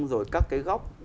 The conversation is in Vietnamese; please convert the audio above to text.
rồi các cái góc